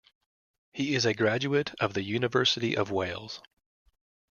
He is a graduate of the University of Wales.